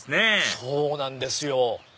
そうなんですよ。